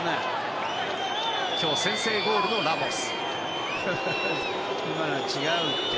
今日先制ゴールのラモス。